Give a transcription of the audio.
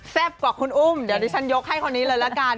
กว่าคุณอุ้มเดี๋ยวดิฉันยกให้คนนี้เลยละกัน